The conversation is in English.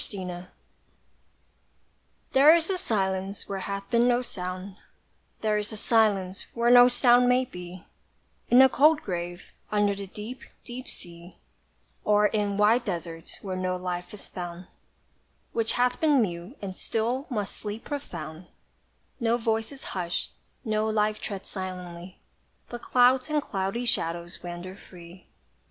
SILENCE. There is a silence where hath been no sound, There is a silence where no sound may be, In the cold grave under the deep deep sea, Or in wide desert where no life is found, Which hath been mute, and still must sleep profound; No voice is hush'd no life treads silently, But clouds and cloudy shadows wander free.